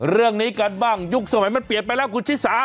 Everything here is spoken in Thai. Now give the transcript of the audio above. เรื่องนี้กันบ้างยุคสมัยมันเปลี่ยนไปแล้วคุณชิสา